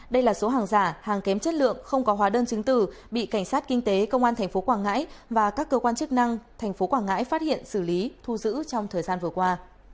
đây là số hàng giả hàng kém chất lượng không có hóa đơn chứng tử bị cảnh sát kinh tế công an tp quảng ngãi và các cơ quan chức năng tp quảng ngãi phát hiện xử lý thu giữ trong thời gian vừa qua